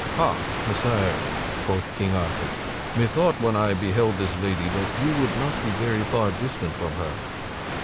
"Ha, Messire," quoth King Arthur, "methought when I beheld this lady, that you would not be very far distant from her."